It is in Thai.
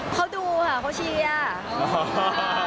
เขาดูค่ะเขาเชียร์